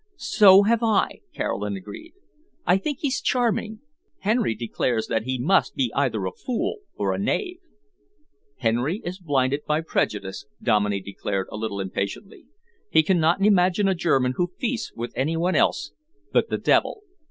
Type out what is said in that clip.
"So have I," Caroline agreed. "I think he's charming. Henry declares that he must be either a fool or a knave." "Henry is blinded by prejudice," Dominey declared a little impatiently. "He cannot imagine a German who feasts with any one else but the devil."